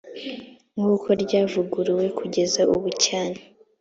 nk uko ryavuguruwe kugeza ubu cyane